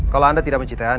kok gue gak tau ya pelitanusa